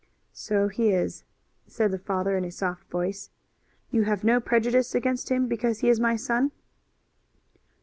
"So he is," said the father in a soft voice. "You have no prejudice against him because he is my son?"